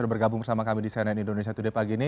sudah bergabung bersama kami di cnn indonesia today pagi ini